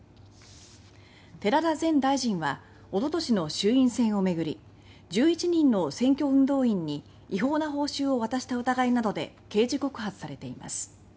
寺田前大臣はおととしの衆院選を巡り１１人の選挙運動員に違法な報酬を渡した疑いなどで刑事告発されています。